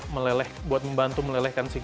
meleleh buat membantu melelehkan si